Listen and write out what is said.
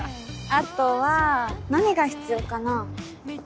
あとは何が必要かな。